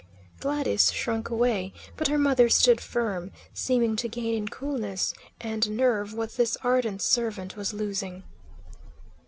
Gladys shrunk away, but her mother stood firm, seeming to gain in coolness and nerve what this ardent servant was losing.